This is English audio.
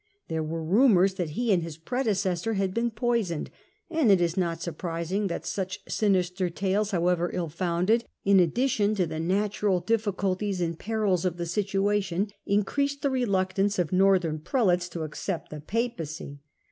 There were rumours that he and his predecessor had been poisoned, and it is not surprising that such sinister tales, however ill founded, in addition to the natural difficulties and perils of the situation, increased the reluctance of northern prelates to accept the Papacy.